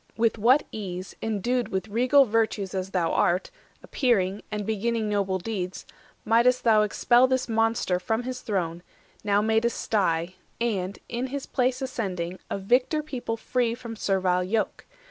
With what ease, Endued with regal virtues as thou art, Appearing, and beginning noble deeds, Might'st thou expel this monster from his throne, 100 Now made a sty, and, in his place ascending, A victor people free from servile yoke!